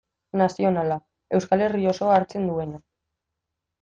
Nazionala, Euskal Herri osoa hartzen duena.